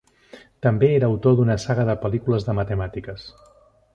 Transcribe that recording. També era autor d'una saga de pel·lícules de matemàtiques.